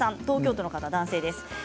東京都の方、男性です。